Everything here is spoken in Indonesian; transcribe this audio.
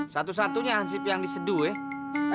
satu satunya hansip yang diseduh ya